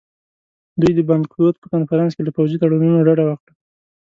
دوی د باندونک په کنفرانس کې له پوځي تړونونو ډډه وکړه.